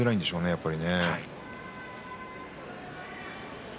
やっぱり。